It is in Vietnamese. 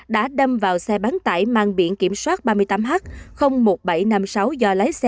đã đâm vào xe bán tải mang biển kiểm soát ba mươi tám h một nghìn bảy trăm năm mươi sáu do lái xe